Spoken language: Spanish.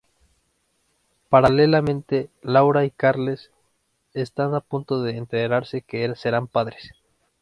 Paralelamente, Laura y Carles están a punto de enterarse que serán padres.